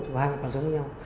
có hai người còn sống với nhau